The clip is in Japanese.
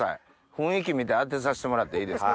雰囲気見て当てさしてもらっていいですか？